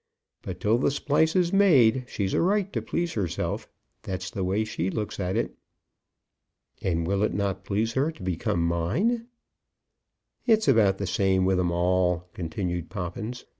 But till the splice is made she's a right to please herself; that's the way she looks at it." "And will it not please her to become mine?" "It's about the same with 'em all," continued Poppins.